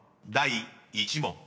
第１問］